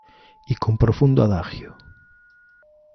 Y con un profundo adagio.